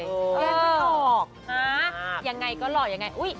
เปลี่ยนไม่ออกนะยังไงก็หล่อยยังไง